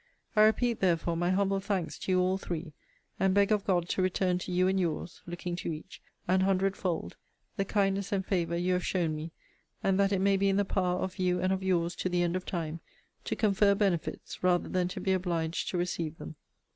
I repeat, therefore, my humble thanks to you all three, and beg of God to return to you and yours [looking to each] an hundred fold, the kindness and favour you have shown me; and that it may be in the power of you and of yours, to the end of time, to confer benefits, rather than to be obliged to receive them.